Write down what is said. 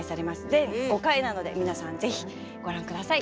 全５回なので皆さんぜひご覧下さい。